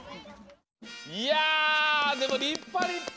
いやでもりっぱ！